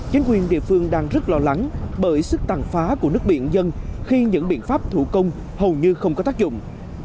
chính quyền địa phương đang rất lo lắng bởi sức tàn phá của nước biển dân khi những biện pháp thủ công hầu như không có tác dụng